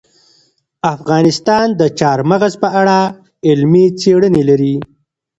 افغانستان د چار مغز په اړه علمي څېړنې لري.